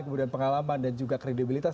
kemudian pengalaman dan juga kredibilitas